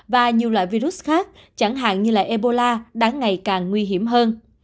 và nhiều loại virus khác chẳng hạn như ebola đang ngày càng nguy hiểm hơn